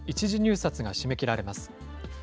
１次入札が締め切られます。